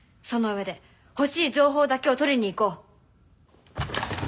その上で欲しい情報だけを取りに行こう。